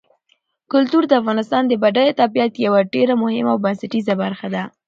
کلتور د افغانستان د بډایه طبیعت یوه ډېره مهمه او بنسټیزه برخه ده.